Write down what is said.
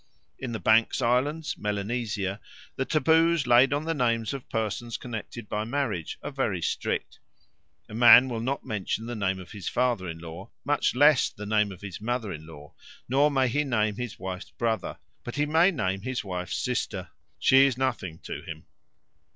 In the Banks' Islands, Melanesia, the taboos laid on the names of persons connected by marriage are very strict. A man will not mention the name of his father in law, much less the name of his mother in law, nor may he name his wife's brother; but he may name his wife's sister she is nothing to him.